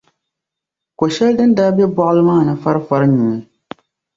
ko’ shɛli din daa be bɔɣili maa ni farifari nyuui.